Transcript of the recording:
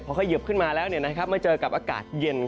ขยิบขึ้นมาแล้วมาเจอกับอากาศเย็น